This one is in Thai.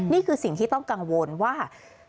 นี่คือสิ่งที่ต้องกังวลว่า